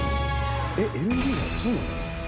えっＬＥＤはそうなの？